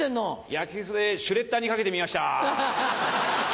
ヤケクソでシュレッダーにかけてみました。